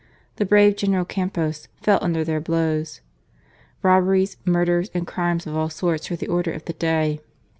The brave General Campos fell under their blows. Robberies, murders, and crimes of all sorts were the order of the day.